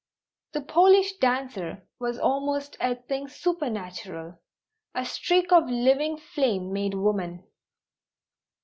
The Polish dancer was almost a thing supernatural, a streak of living flame made woman.